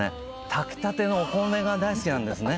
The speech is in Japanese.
炊きたてのお米が大好きなんですね。